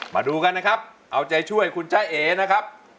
มาดูกันนะครับเอาใจช่วยคุณจ้าเอนะครับ